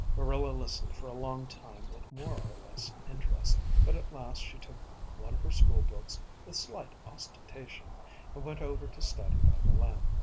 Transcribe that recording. Marilla listened for a time with more or less interest, but at last she took one of her school books, with slight ostentation, and went over to study by the lamp.